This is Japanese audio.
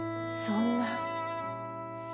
そんな。